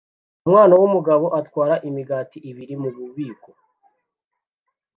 Umwana wumugabo atwara imigati ibiri mububiko